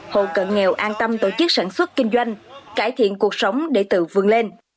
hộ cận nghèo an tâm tổ chức sản xuất kinh doanh cải thiện cuộc sống để tự vươn lên